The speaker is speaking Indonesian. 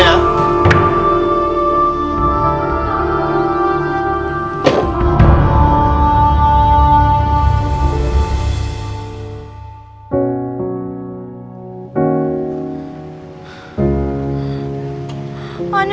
kasih main ah